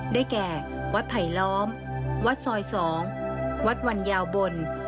ได้แก่วัดไผลล้อมวัดซอย๒วัดวันยาวบน